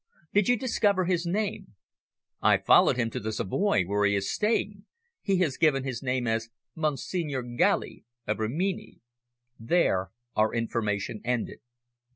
"Did you discover his name?" "I followed him to the Savoy, where he is staying. He has given his name as Monsignore Galli, of Rimini." There our information ended.